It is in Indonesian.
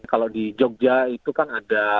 kalau di jogja itu kan ada